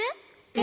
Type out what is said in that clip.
え？